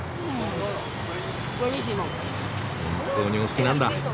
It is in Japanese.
本当にお好きなんだ。